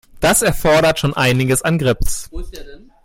Das erfordert schon einiges an Grips.